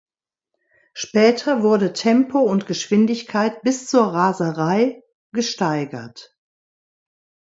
Später wurde Tempo und Geschwindigkeit bis zur Raserei gesteigert.